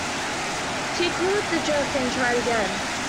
She caught up the dress and tried again.